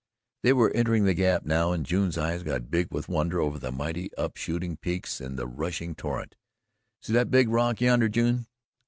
They were entering the Gap now and June's eyes got big with wonder over the mighty up shooting peaks and the rushing torrent. "See that big rock yonder, June?"